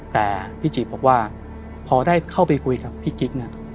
แต่พี่จีบบอกว่าพอได้เข้าไปคุยกับพี่กิ๊กเนี่ย